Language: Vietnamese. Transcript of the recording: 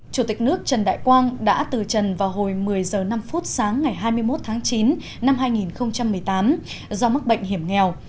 chủ tịch nước trần đại quang đã từ trần vào hồi một mươi h năm sáng ngày hai mươi một tháng chín năm hai nghìn một mươi tám do mắc bệnh hiểm nghèo